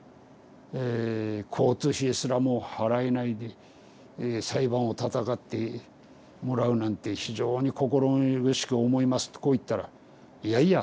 交通費すらも払えないで裁判をたたかってもらうなんて非常に心苦しく思います」ってこう言ったら「いやいや」。